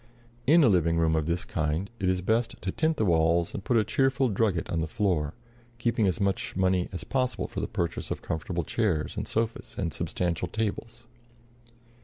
In a living room of this kind it is best to tint the walls and put a cheerful drugget on the floor, keeping as much money as possible for the purchase of comfortable chairs and sofas and substantial tables.